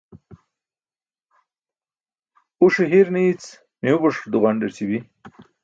Uṣe hir nii̇c mimupuṣ duġandarći bi.